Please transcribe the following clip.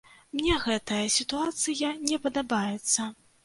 Мне гэтая сітуацыя не падабаецца.